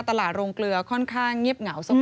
โรงเกลือค่อนข้างเงียบเหงาสม